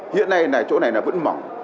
hiện nay chỗ này vẫn mỏng